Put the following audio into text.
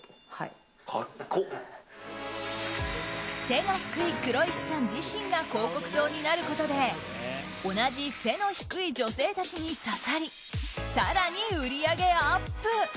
背が低い黒石さん自身が広告塔になることで同じ背の低い女性たちに刺さり更に売り上げアップ。